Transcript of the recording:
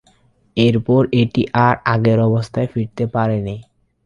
এর পর এটি আর আগের অবস্থায় ফিরতে পারেনি।